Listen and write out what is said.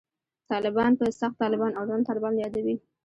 طالبان په «سخت طالبان» او «نرم طالبان» یادوي.